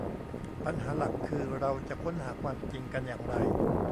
ปัญหาหลักคือ เราจะค้นหาความจริงกันอย่างไร